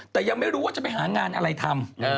แต่ยังไม่รู้ว่าจะไปหางานอะไรทำ